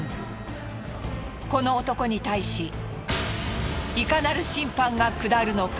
この男に対しいかなる審判が下るのか。